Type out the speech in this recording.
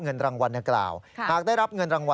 ดีหลายตัวเนอะดีใจ